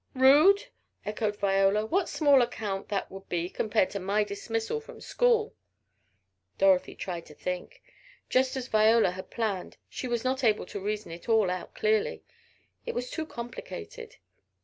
"Rude!" echoed Viola. "What small account that would be compared to my dismissal from school." Dorothy tried to think just as Viola had planned, she was not able to reason it all out clearly it was too complicated.